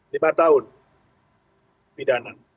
lima tahun pidanan